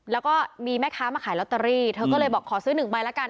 แล้วก็มีแม่ค้ามาขายลอตเตอรี่เธอก็เลยบอกขอซื้อหนึ่งใบละกัน